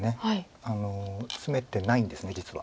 ツメてないんです実は。